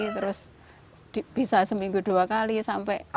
terus bisa seminggu dua kali sampai enam bulan